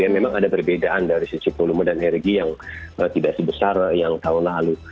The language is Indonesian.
memang ada perbedaan dari sisi volume dan energi yang tidak sebesar yang tahun lalu